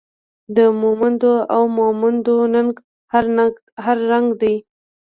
د مومندو او ماموندو ننګ هر رنګ دی